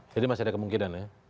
jadi masih ada kemungkinan ya